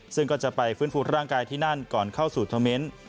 ซึ่งก็จะไปฟื้นฟูร่างกายที่นั่นก่อนเข้าสู่โทรเมนต์